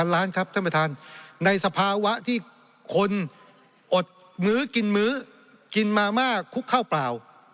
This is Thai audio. ล้านครับท่านประธานในสภาวะที่คนอดมื้อกินมื้อกินมาม่าคุกข้าวเปล่า